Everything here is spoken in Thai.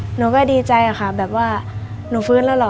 หนูก็ดีใจค่ะแบบว่าหนูฟื้นแล้วเหรอ